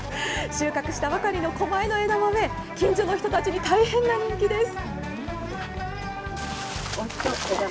収穫したばかりの狛江の枝豆、近所の人たちに大変な人気です。